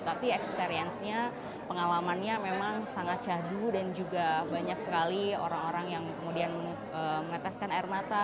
tapi experience nya pengalamannya memang sangat syahdu dan juga banyak sekali orang orang yang kemudian meneteskan air mata